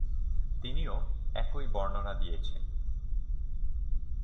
তিনিও একই বর্ণনা দিয়েছেন।